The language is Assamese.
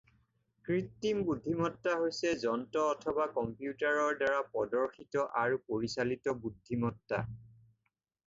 কৃত্ৰিম বুদ্ধিমত্তা হৈছে যন্ত্ৰ অথবা কম্পিউটাৰৰ দ্বাৰা প্ৰদৰ্শিত আৰু পৰিচালিত বুদ্ধিমত্তা।